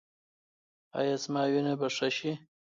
ایا زما وینه به ښه شي؟